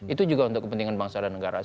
itu juga untuk kepentingan bangsa dan negara